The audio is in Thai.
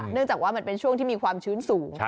เนื่องจากว่ามันเป็นช่วงที่มีความชื้นสูง